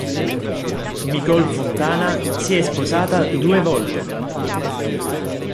Micol Fontana si è sposata due volte.